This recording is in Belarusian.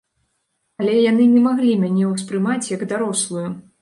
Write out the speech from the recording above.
Але яны не маглі мяне ўспрымаць, як дарослую.